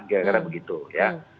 kira kira begitu ya